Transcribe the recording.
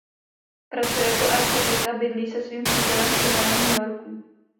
Pracuje jako architekt a bydlí se svým přítelem Simonem v New Yorku.